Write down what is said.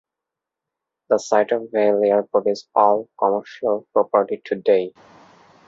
The site of Vail Airport is all commercial property today.